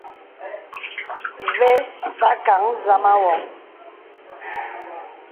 Vè và kàŋə zàmā woŋ.